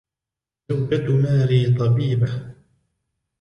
زوجة ماري طبيبة.